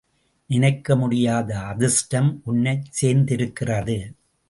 நினைக்க முடியாத அதிர்ஷ்டம் உன்னைச் சேர்ந்திருக்கிறது.